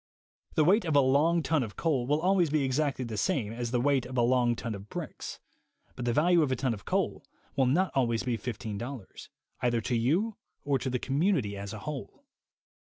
The weight of a long ton of coal will always be exactly the same as the weight of a long ton of bricks; but the value of a ton of coal will not always be $15, either to you or to the community as a whole.